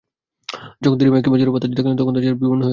যখন তিনি মেঘ কিংবা ঝড়ো বাতাস দেখতেন, তখন তার চেহারা বিবর্ণ হয়ে যেত।